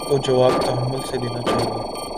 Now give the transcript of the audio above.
امریکہ کو جواب تحمل سے دینا چاہیے۔